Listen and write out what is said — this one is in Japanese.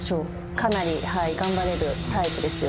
かなり頑張れるタイプですよ。